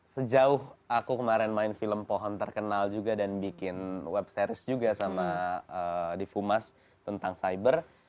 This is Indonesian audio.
sejauh aku kemarin main film pohon terkenal juga dan bikin web series juga sama difumas tentang cyber